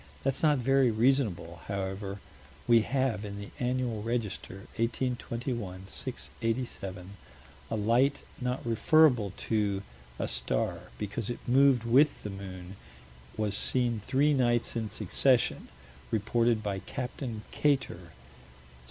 That's not very reasonable: however, we have, in the Annual Register, 1821 687, a light not referable to a star because it moved with the moon: was seen three nights in succession; reported by Capt. Kater.